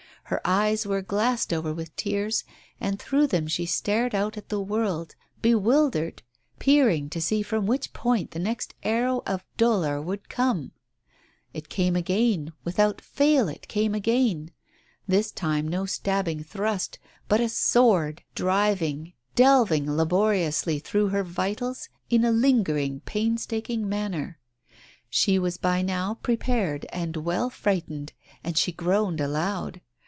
Her eyes were glassed over with tears, and through them she stared out on the world, bewildered, peering to see from which point the next arrow of dolour would fell ! It came again, without fail it came again, this time no stabbing thrust, but a sword, driving, delving labor Digitized by Google 46 TALES OF THE UNEASY iously through her vitals in a lingering, painstaking manner. She was by now prepared and well frightened, and she groaned aloud.